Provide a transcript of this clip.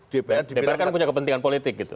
dpr kan punya kepentingan politik gitu